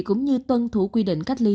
cũng như tuân thủ quy định cách ly